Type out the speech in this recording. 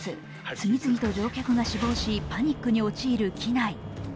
次々と乗客が死亡し、パニックに陥る機内。